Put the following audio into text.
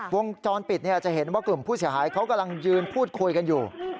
วงจรปิดจะเห็นว่ากลุ่มผู้เสียหายเขากำลังยืนพูดคุยกันอยู่